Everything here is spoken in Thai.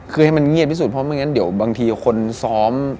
เป็นเวลาที่ให้มันเงียดจริงพว่า